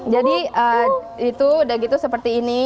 jadi itu udah gitu seperti ini